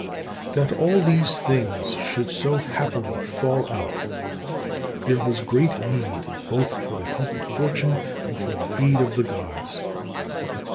That all these things should so happily fall out there was great need both for the help of fortune and for the aid of the Gods.